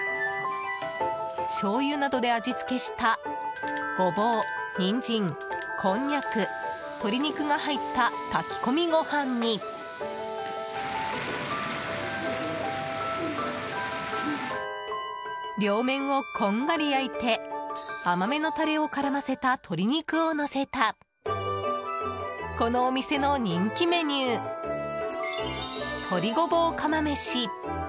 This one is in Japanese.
しょうゆなどで味付けしたゴボウ、ニンジン、こんにゃく鶏肉が入った炊き込みご飯に両面をこんがり焼いて甘めのタレを絡ませた鶏肉をのせたこのお店の人気メニュー鶏ごぼう釜めし。